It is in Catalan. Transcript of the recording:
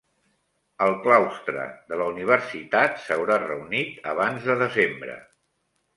El Claustre de la universitat s'haurà reunit abans de desembre.